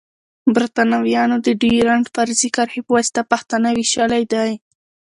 بريتانويانو د ډيورنډ فرضي کرښي پواسطه پښتانه ويشلی دی.